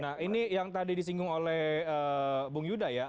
nah ini yang tadi disinggung oleh bung yuda ya